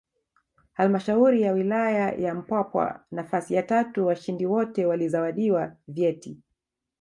Halmashauri ya Wilaya ya Mpwapwa nafasi ya tatu washindi wote walizawadiwa vyeti